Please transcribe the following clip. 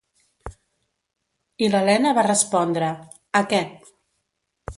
I l'Elena va respondre: "Aquest".